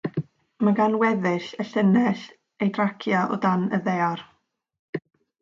Mae gan weddill y llinell ei draciau o dan y ddaear.